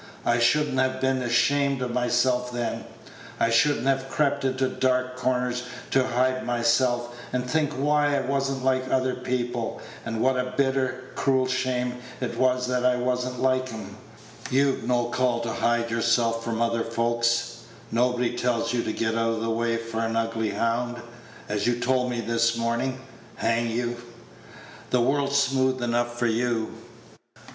"I should n't have been ashamed of myself then. I should n't have crept into dark corners to hide myself, and think why I was n't like other people, and what a bitter, cruel shame it was that I was n't like 'em. You've no call to hide yourself from other folks; nobody tells you to get out of the way for an ugly hound, as you told me this morning, hang you. The world's smooth enough for you."